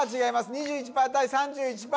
２１％対３１％